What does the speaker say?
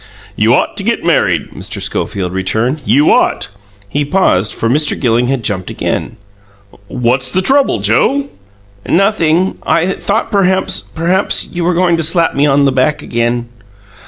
"You ought to get married," Mr. Schofield returned. "You ought " He paused, for Mr. Gilling had jumped again. "What's the trouble, Joe?" "Nothing. I thought perhaps perhaps you were going to slap me on the back again."